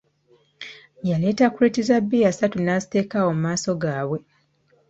Yaleeta kuleeti za bbiya ssatu n'aziteeka awo mu maaso gabwe!